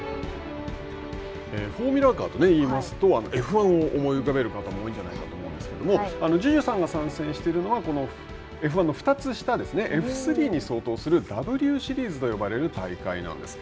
フォーミュラカーといいますとＦ１を思い浮かべる方も多いんじゃないかと思うんですけれども樹潤さんが参戦しているのはこのＦ１の２つ下Ｆ３に相当するＷシリーズと呼ばれる大会なんです。